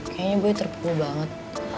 kayaknya gue terpukul banget